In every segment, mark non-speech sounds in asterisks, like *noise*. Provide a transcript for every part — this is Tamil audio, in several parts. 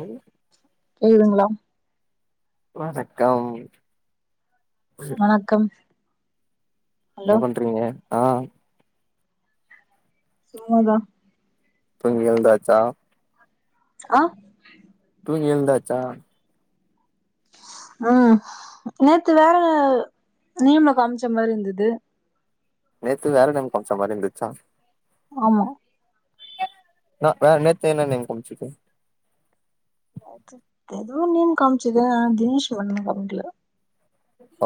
ம் எழுதுங்களா வணக்கம் வணக்கம் ஹலோ என்ன பண்றீங்க ஆ சும்மாதா தூங்கி எழுந்தாச்சா ஆ தூங்கி எழுந்தாச்சா உம் நேத்து வேற நேம்ல காம்ச்ச மாரி இருந்தது நேத்து வேற நேம் கொஞ்ச மாரி இருந்துச்சா ஆமா அ வேற நேத்து என்ன மேம் கோன்ச்சி அச்சோ எதோ நேம் காமிச்சது ‌ஆனா தினேஷ் ஒன்னுமே காமிக்கல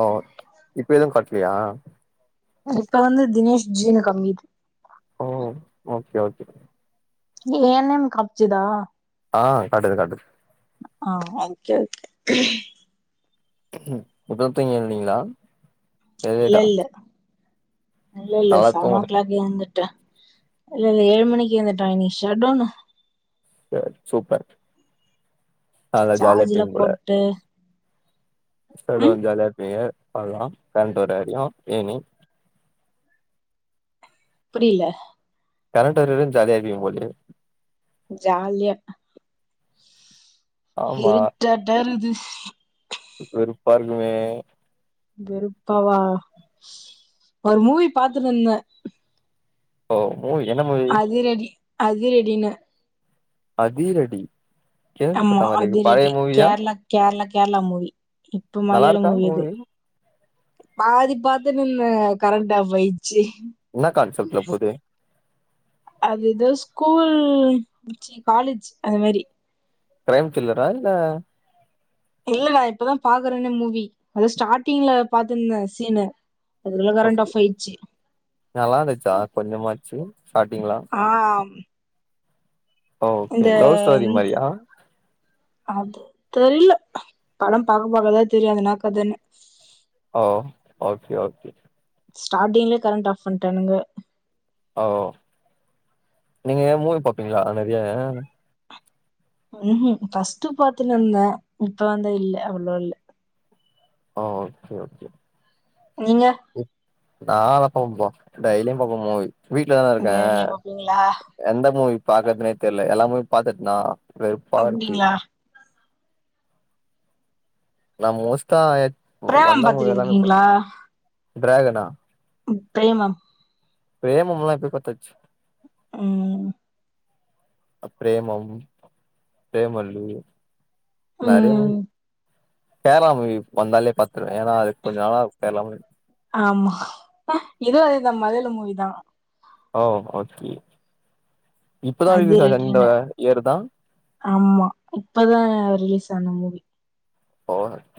ஓ இப்ப எதுவு காட்லையா இப்ப வந்து தினேஷ் ஜீனு காமிக்குது ஓ ஓகே ஓகே ய நேம் காம்ச்சிதா ஆ காட்டுது காட்டுது ஆ ஓகே ஓகே இப்பதா தூங்கி எழுதிங்களா ய இல்ல லேட்டா இல்ல இல்ல இல்ல நல்லா சேவேன் ஓ தூங்கணு கிளாக்கே எழுந்துட்டேன் இல்ல இல்ல ஏழு மணிக்கு வந்துட்டா இன்னிக்கு ஷட்டவுனு சேர் சூப்பர் சா நல்லா ஜாலியா சார்ஜுலா போட்டு அதுகுல்லா ம் ஜாலியா நியர் பண்லா ரெண்டூர் அடியு ஏணி புரியல கரண்ட் வர வரைக்கு ஜாலிய இருப்பிங்க போலயே ஜாலியா இருட்டாட்ட இருக்குது வெறுப்பாருக்குமே வெருப்பாவா ஒரு மூவி பாத்துட்டு இருந்தே ஓ ஓ என்ன மூவீ அதிரெடினு அதிரெடி ஆமா அது ரெடி கேரளா கேரளா கேரளா மூவி இப்போ நல்லா மலயாள இருக்கா மூவி இது பாதி பாத்துன்னுருந்தே கரண்டு ஆப்பாயி என்ன கான்செப்ட்ல போது அது இதோ ஸ்கூல் ல்லு சீ காலேஜ் அது மாரி கிரைம் கில்லரா இல்ல இல்லே இப்பதான் பாக்குறேனே மூவி அத ஸ்டார்ட்டிங்ல பார்த்திருந்தேன் சீனு அதுக்குள்ள கரண்ட் ஆஃப் ஆயிடுச்சு நல்லா இருந்துச்சா கொஞ்சமாச்சு ஸ்டார்டிங்ல ஆ ஓகே இந்த லவ் ஸ்டோரி மாதிரியா அது தெரியல படம் பாக்க பாக்கதான் தெரியும் அது என்னா கதைன்னு ஓ ஓகே ஓகே ஸ்டார்டிங்லயே கரண்ட் ஆஃப் பண்ணிட்டானுங்க ஓ நீங்க மூவி பாப்பீங்களா நெறைய உ ஹும் ஃபஸ்ட் பாத்துட்டு இருந்தேன் இப்ப வந்து இல்லே அவ்வளவா இல்லே ஆஹ் ஓகே ஓகே நீங்க நான் எப்பவும் பாப்போ டெய்லியும் பாப்பேன் மூவி வீட்லதா டெய்லி இருக்கேன் பாப்பீங்களா எந்த மூவி பாக்குறதுனே தெரியல எல்லா மூவி பாத்துட்னா வெறுப்பா இருக்கு அப்டிங்களா நான் மோஸ்டா புரோகிராம் பாத்துட்டு இருக்கீங்களா ட்ராகனா பிரேமம் பிரேமமெல்லா எப்பவோ பாத்தாச்சு உம் பிரேமம் பிரேமல்லூ நெறைய மூவி ம் கேரளாமூவி வந்தாலே பாத் வேனா அதுக் கொஞ்ச நாளா கேரளாவு ஆமா இதும் அதேதான் மலையாள மூவிதான் ஓ ஓகே இப்பதா அது ரிலீஸ் ஆச்சு இந்த ரென்டுயுனா இயர் தா ஆமா இப்பதா ரிலீஸ்ஸான மூவி ஓ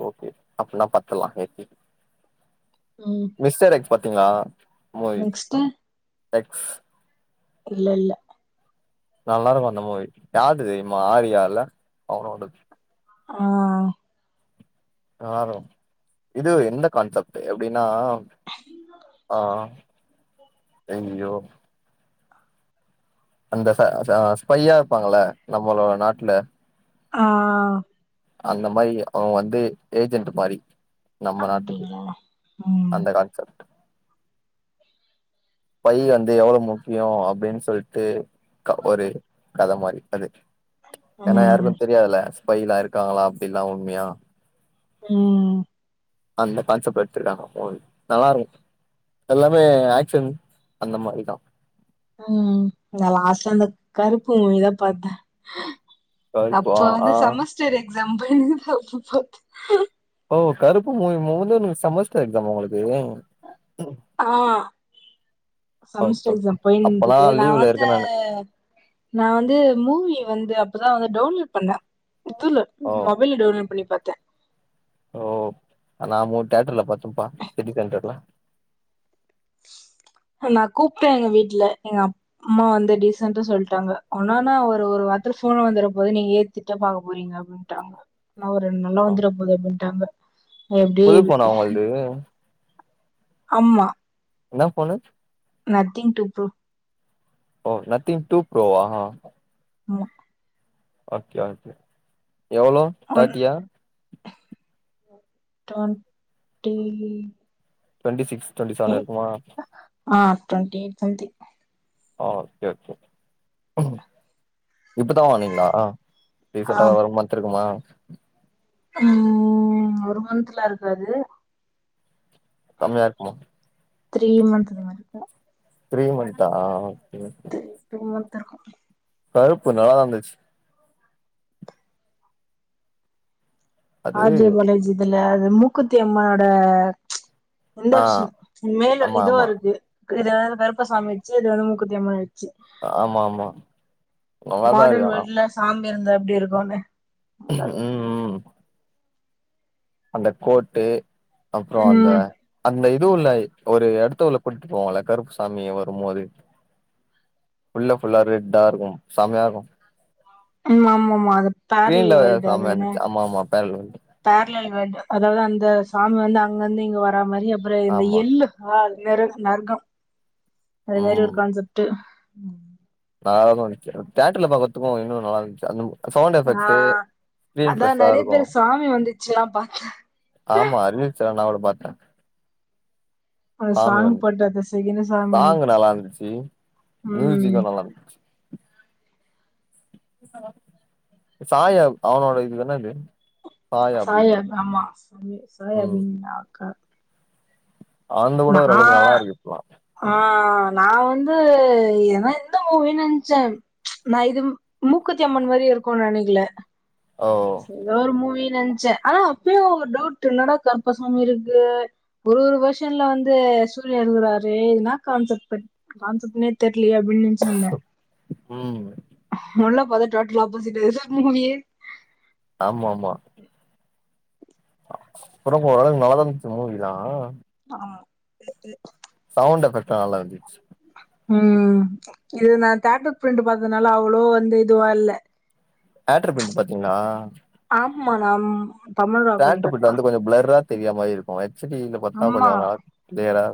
ஓகே அப்னா பாத்தறலாம் மிஸ்டர் எக்ஸ் பாத்தீங்களா மூவி நெக்ஸ்ட் எக்ஸ் இல்லே இல்லெ நல்லாருக்கும் அந்த மூவி யார்து தெரியும்மா ஆரியாஇல்லெ அவனோடது ஆஹ் நல்லாருகும் இது எந்த கான்செப்ட் எப்டினா ஆஹ் ஐய்யோ அந்த ச ச ஸ்பையா இருப்பாங்கல்ல நம்மளோட நாட்டுலெ ஆஹ் அந்த மாரி அவுங் வந்து ஏஜென்ட் மாரி நம்ம நாட்டுக்கு அப்டிங்களா ம் அந்த கான்செப்ட் பை வந்து எவ்ளோ முக்கியோ அப்டீன் சொல்ட்டு க ஒரு கத மாறி அது ஏனா ம் யாருக்கு தெரியாதுல பையிலாயிருக்காங்களா அப்டில்லா உண்மயா உம் அந்த கான்சப்ட் எடுத்துர்காங்க இப்பொ நல்லார்க்கு எல்லாமே ஆக்சன் அந்த மாரிதா உம் நல்ல அசேந்த கருப்பு மூவி தா பாத்தே கருப்பா அப்போ ஆ வந்து செமஸ்டெரு எக் *unintelligible* பாத்து ஓ கருப்பு மூவி மோதனு சமஸ்டர் எக்ஸாமா உங்களுக் *unintelligible* சமெஸ்டர் எக்ஸாம் அப்பல்லா பொய்ன்ருக்கு நா லீவ்ல வந்து இருக்கே நானு நா வந்து மூவி வந்து அப் ப்பதா வந்து டவுன்லோட் பண்ணே இதுல ஓ மொபைல்ல டவுன்லோட் பண்ணி பாத் ஓ ராமூ தேட்டர்ல பாத்துருப்பா சிட்டி சென்ட்ர்ல நா கூப்ட்டே எங்க வீட்ல எங்க அப்ம்மா வந்து டீசண்டா சொல்ட்டாங்க ஒன்னானா ஒரு ஒரு வாரத்துல போன்ல வந்துற போது நீங்க ஏத்திட்ட பாக்க போறீங்க அப்டீன்ட்டாங்க நா ஒரு ரெண் நால்ல ஆ வந்துரு போல இருக்குன்டு இருந்தே எப்டி புது ஃபோனா உங்கள்து ஆமா என்ன போனு நத்திங் டூ ப்ரூ ஓ நத்திங் டூ ப்ரோவா ஆமா ஓகே ஓகே எவ்ளோ ஒன் தேர்ட்டியா twenty twenty six twenty seven இருக்குமா ஆஹ் டொண்ட்டி டொண்ட்டி ஆ ஒகே ஒகே இப்பதா வாங்னீங்களா ரீசென்டா ஒரு மன்ந்து இருக்குமா உம் ஒரு மன்த்லா இருக்காது கம்மியா இருக்குமா த்ரீ மந்த் இது மாரிக்கு த்ரீ மன்த்தா *unintelligible* *unintelligible* கருப்பு நல்லாதான் இருந்துச்சு அது ஆர் ஜே பாலாஜி இதுல மூக்குத்தி அம்மனோட ச்சு இந்த ஆ வருஷோ மேல ஆமா இதுவா ஆமா இருக்கு இதாவது கருப்ப சாமிவச்சு இது மூக்கூத்தி அம்மன் வச்சு ஆமா ஆமா நல்லாதான் இருக்கு மாடர்ன் ஆனா வேர்ல்டுல சாமி இருந்தா எப்டி இருக்குன்னு உம் உம் அந்த கோட்டு அப்புறம் அந்த ம் அந்த இதுவும் இல்ல ஒரு இடத்து உள்ள கூட்டிட்டு போவோல்ல கருப்ப சாமி வரும்போது உள்ள ஃபுல்லா ரெட்டா இருக்கும் செமயா இருக்கும் உம் ஆமா ஆமா அது ஸ்கீரின்ல பேரலல் வேர்ல்டு அது என்ன செமயாந்துச்சு ஆமா ஆமா தார்லல் வேல்டு அதாவது அந்த சாமி வந்து அங்க இந்து இங்க வரா மாரி அப்புற இந்த ஆமா எள்ளு ஹால் நரக் நர்கம் அதே மாரி ஒரு ம் கான்செப்ட் நல்லாதா இருந்துச்சு தேட்டர்ல பாக்கறத்துக்கும் இன்னும் நல்லா இருந்துச்சு அந்த சவுண்ட் எஃபெக்ட் ஆஹ் ஸ்கிரீன் அதான் பெருசா நெறைய இருக்கு பேரு சாமி வந்துச்சுல்லாம் பாத்தேன் ஆமா ரீல்ஸ்ல நா கூட பாத்தேன் அந்த சாமி சாங் வந்து போட்டு அந்த செகண்ட் சாமி சாங் வந்துச்சு நல்லா இருந்துச்சு ம் மியூசுக்கும் நல்லா இருந்துச்சு சாய அவனோட இதுதான இது சாயா ஆமா சொல்லு சாயா ம் அபினயா அக்கா அவன்து கூட ஓரளவுக்கு நல்லா நான் இருக்கு இப்பல்லா ஆஹ் நான் வந்து ஏன்னா இந்த மூவினு நென்ச்சே ச் நான் இது மூக்குத்தி அம்மன் மாரியே இருக்குனு நெனைக்கல ஓ ச ஏதோ ஒரு மூவி நென்ச்சே ஆனா அப்பயும் ஒரு டவுட் என்னடா கற்பசாமி இருக்கு ஒரு ஒரு வெர்ஷன்ல வந்து சூர்யன் இருக்கறாரு என்னா கான்செப்ட் கான்சப்ட்னே தெர் லயே அப்டின்னு நெனச்சுனுருந்தேன் உம் உள்ள போதா டோட்டல் ஆப்போசிட்டாயிருச்சு *unintelligible* மூவியே ஆமா ஆமா அப்புற ஓரளவுக்கு நல்லா தான் இருந்துச்சு மூவிலாம் ஆமா *inaudible* சவுண்ட் எஃபெக்ட்லா நல்லா இருந்துச்சு உம் இது நான் தேட்ரு பிரிண்ட் பாத்ததுனால அவ்ளோ வந்து இதுவா இல்ல அட்ரு பண்ணி பாத்தீங்ளா ஆம்மா நம் Tamil rockers theatre dot print com வந்து கொஞ்ச பிளர்ரா தெரிய மாரி இருக்கும் சிட்டில பாத்தா ஆமா கொஞ்சோ நார் க்ளியரா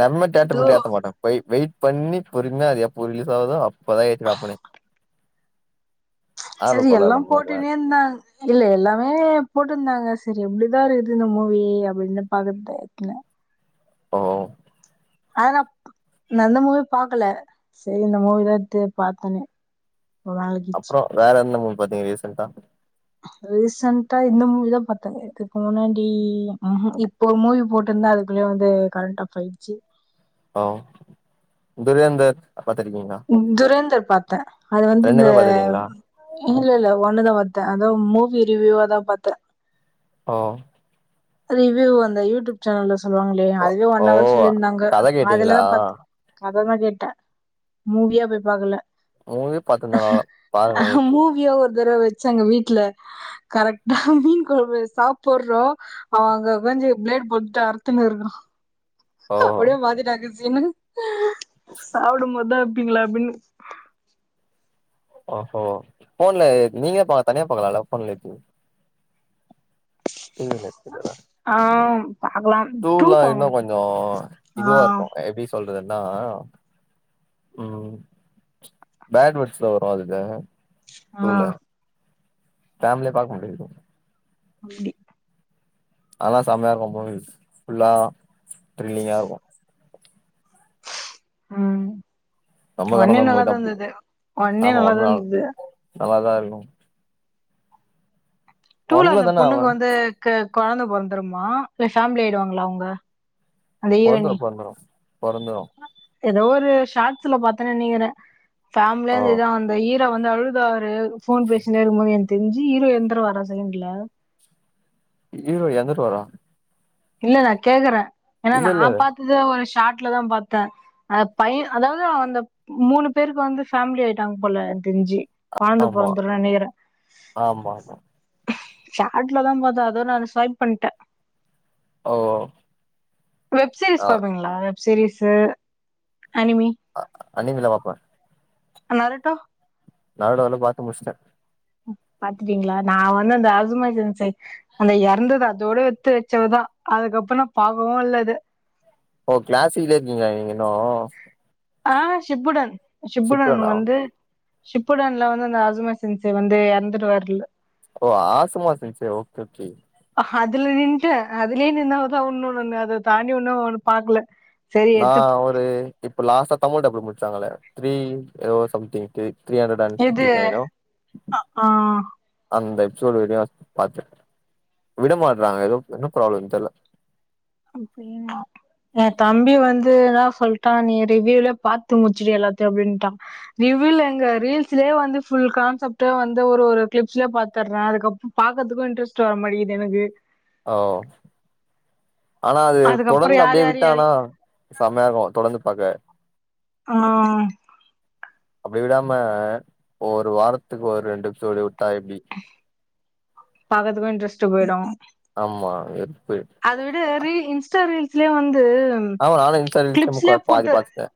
நம்ம தேட்ரு இது ப்ரின்ட ஏத்த மாட்ட போய் வெய் பண்ணி பொறுமையா அத எப்போ ரிலீஸ் ஆவுதோ அப்பதா ஏத்டுவேன் அப்புனே சரி எல்லாம் போட்டுன்னே இருந்தாங் இல்ல எல்லாமே போட்ருந்தாங்க செரி எப்டிதா இருக்து இந்த மூவீ அப்டின்னு பாக்குற டயத்துல ஓ அத நா இன்ன அந்த மூவி பாக்கல செரி இந்த மூவிதா து பாத்தனே ரொம்ப நாளாகிச்சு அப்றோ வேற எந்த மூ பாத்தீங்க ரீசன்ட்டா ரீசன்ட்டா இந்த மூவிதா பாத்தங் இதுக்கு முன்னாடி ம்ஹ்ம் இப்போ மூவி போட்ருந்தா அதுக்குள்ளயு வந்து கரண்ட் ஆஃபாய்ட்ச்சு ஓ துரேந்தர் பாத்துருக்கீங்களா ம் துரேந்தர் பாத்த அது வந்து இந்த ரெண்டுமே பாத்துருக்கீங்களா இல்ல இல்ல ஒண்ணுதா பாத்த அதா மூவி ரிவியூவாதா பாத்த ஓ ரிவியூ அந்த யூட்யூப் சேனல்ல சொல்வாங்ளே அதுவே ஓ ஒன்னவர் சொல்லியிருந்தாங்க கத கேட்டீங்களா அதுலதா பாத்த கததா கேட்ட மூவியா போய் பாக்கல மூவியா பாத்ருந்தா நல்லா பாருங்ள ஏத்தி இந்தரவ வச்சாங்க வீட்ல கரெக்ட்டா மீன் கொழம்பு சாப்புர்றோ அவ அங்க கொஞ்சோ ப்ளேட் போட்டுட்டு அறுத்துன்னு இருக்குறா ஓ அப்டியே மாத்திட்டாங்க என்னது சாப்டும்போதா எப்பீங்களா அப்டின்னு ஓஹோ ஃபோன்ல நீங்களே தனியா பாக்கலா லவ் போன்ல ஏத்தி இல்லல்ல இது தா ஆ பாக்கலா டூ டூல்லா இன்னு பாக்கணு கொஞ்சோ ஆ இதுவா இருக்கு எப்டி சொல் றதுனா ம் பேட்வட்ஸ்ல வரு அதுல ஆ டூல ஃபேமிலியா பாக்கமுடியாது அப்டி அதா செமையா இருக்கு மூவிஸ் ஃபுல்லா த்ரில்லிங்கா இருக்கு ம் நமக்கு அந்த வண்டி மாரி மூவி நல்லதா தா புடிக்கு இருந்தது வண்டி நல்லதா இருந்தது நல்லாதான் இருக்கும் டூல அந்த தான பொண்ணுக்கு அவன் வந்து கொழந்த பொறந்துருமா இல்ல ஃபேம்லி ஆயிடுவாங்ளா அவ்ங்க பொற்ந்துரு பொற்ந்துரு பொறந்துரு எதோ ஒரு ஷார்ட்ஸுல பாத்தன் நெனக்குற ஃபேம்லியா ஓ இந்த இதா அந்த ஈர் வந்து அழுதாரு ஃபோன் பேசினே இருக்கும்போது ஏன்ச் திஞ்சு ஈரோ எந்துருவாரா செகண்டுல ஈரோ எந்துருவாரா இல்ல நா கேக்குற ஏன்னா நா பாத்தது ஒரு ஸ்டாட்லதா பாத்த அ பைய அதாவ்து அந்த மூணு பேருக்கு வந்து ஃபேம்லி ஆயிட்டாங்க போல எனக் தெஞ்சி கொழந்த ஆமா பொறந்துரு நெனக்கிற ஆமா ஆமா ஷாட்லதா பாத்த அது நா ஸ்வைப் பண்ட்ட ஒ ஒ வெப் சீரிஸ் பாப்பிங்ளா சரி சார் அண்ணிமிலாம் பாப்பா அனாரட்டோ நரோட்டோலா பார்த்து முடிச்சுட்டேன் பாத்துட்டீங்களா நான் வந்து அந்த அசமேசைன் அந்த இறந்தது அதோட எடுத்து வச்சவதான் அதுக்கப்புறம் நான் பார்க்கவும் இல்ல அது ஓ கிளாஸி இருக்கீங்கலா நீங்க இன்னும் ஆ ஷிப்புடன் சிப்புணன் வந்து சிப்புடன்ல வந்து அந்த அசும சி்சி வந்து இறந்துருவாருல ஓ ஆசமாசச்ச ஓகே ஓகே அதுல நின்னுடேன் அதுலயே நின்னவதான் ஒண்ணு ஒண்ணு அதை தாண்டி ஒன்னும் ஒண்ணு பாக்கல செரி எத்து நான் ஒரு இ இப்ப லாஸ்டா தமிழ் டப் முடிச்சாங்களே த்ரீ எதோ சம்திங் த்ரீ ஹன்டனன் இது நைன் ஓ ஆ அந்த பாத்து விட மாட்றாங்க ஏதோ என்ன ப்ராப்ளம் தெர்ல்ல அப்படின்னா என் தம்பி வந்து என்னான் சொல்லிட்டான் நீ ரிவீவ்ல பார்த்து முடிச்சுடு எல்லாத்தையும் அப்படின்னுட்டான் ரிவீவ்ல எங்க ரீல்ஸ்லயே வந்து ஃபுல் கான்செப்ட வந்து ஒரு ஒரு கிளிப்ஸ்லயே பாத்துடுறேன் அதுக்கப்புறம் பார்கதுக்கும் இன்ட்ரெஸ்ட் வர மாட்டேங்குது எனக்கு ஓ ஆனா அது அதுக்கப்புறோ தொடர்ந்து யார் அப்படியே யார் யார் விட்டானா செம்மையாருக்கும் தொடர்ந்து பாக்க ஆ அப்பிடி விடாம ஒரு வாரத்துக்கு ஒரு ரெண்டு சொழி வுட்டு தாயப்டி பாக்கறதுக்கும் இன்ட்ரெஸ்ட் போயிடும் ஆமா எப்பயும் ரீ இன்ஸ்டா ரீல்ஸ்லே வந்து ஆமா நானும் இன்ஸ்டா ரீல்ஸ்ல கிளிப்ஸ்லயே முக்கா பாதி போட்டு பாத்தேன்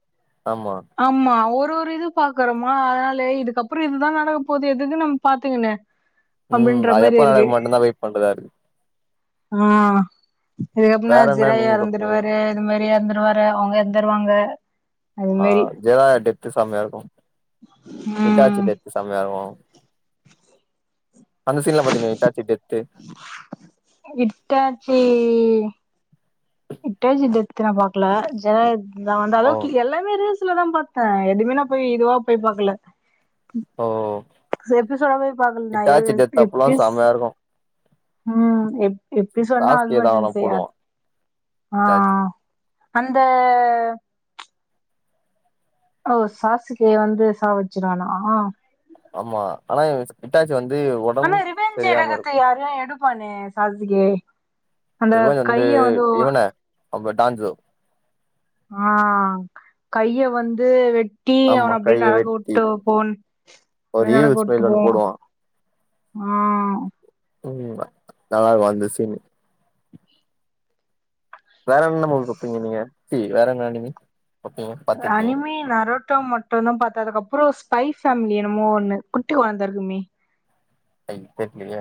ஆமா ஒரு ந்த ஒரு இது பாக்கறோமா அதனாலேஈ இதுக்கப்புறம் இதுதான் நடக்க போது எதுக்கு நம்ம பாத்துக்குன்னு ம் அது எப்ப நடக்க மாட்டே தான் வெயிட் பண்றே அதுக்கு ஆ இதுக்கப்பறமா வேற என்ன ஜிராய நீங்க பாப்பீங்க இருந்துடுவாரு இது மாரி இறந்துருவாரு அவுங்க எடுத்தருவாங்க ஆ ஜெனா ட்டி ச்சா சமயா இருக்கு ம் இட்டாச்சிட்டு எத்து செமயா இருக்கு அந்த சீன்லா பாத்தீங்களா Itachi death Itachi Itachi death நா பாக்ல ஜ நா அந்த ஓ அளவுக்கு எல்லாமே ரீல்ஸ் லதா பாத்த எதுவுமே நா போய் இதுவா போய் பாக்கல ஓ எபிசோடாவே பாக்கல நா எ ஹிட்டாச்சி எ டெத் அப்பல்லா எப்பிஸ் செமையா இருக்கு ம் எப் எப்டி சொன்னா சாஸ்கே அதுமா தா செ ஆனா செய்யா போடுவா ஆ ஹிட்டாச்சி அந்த ஓ சாசுகே வந்து சாவச்சிர்வானா ஆமா ஆனா இவ இட்டாச் ஆனா ரிவெஞ்ச் எடுக்றது யாரு எடுப் பானே சாஸுகே அந்த கைய வந்து ஓ அவ பே டான்சு ஆ கைய வந்து வெட் டி ஆமா அவன அப்டியே கைய நடக்க வெட்டி வுட்டு போன் ஒரு அப்டே நடக்க ஈவில் வுட்டு ஸ்மைல் ஒண்ணு போவா போடுவா ஆ ம் நல்லாருக்கு அந்த சீனு வேறென்ன மூவி பாப்பிங்க நீங்க ச்சி வேறென்ன அனிமி பாப்பீங்க பாத்திருக்கீங்க அனிமி நரோட்டா மட்டுந்தா பாத்த அதுக்கப்பறோ ஸ்பைஃப் ஃபேம்லி என்னமோ ஒண்ணு குட்டிக்கொழந்த இருக்குமே அது தெர்லியே